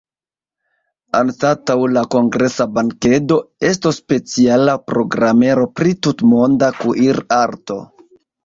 Anstataŭ la kongresa bankedo, estos speciala programero pri tutmonda kuir-arto.